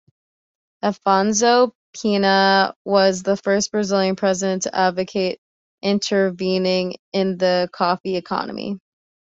Afonso Pena was the first Brazilian president to advocate intervening in the coffee economy.